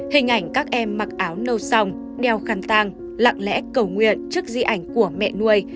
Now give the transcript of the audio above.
hình ảnh các em mặc áo nâu song đeo khăn tàng lặng lẽ cầu nguyện trước di ảnh của mẹ nuôi